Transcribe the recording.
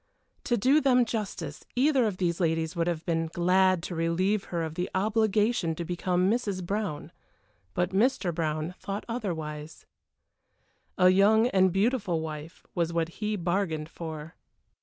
To do them justice, either of these ladies would have been glad to relieve her of the obligation to become Mrs. Brown, but Mr. Brown thought otherwise. A young and beautiful wife was what he bargained for.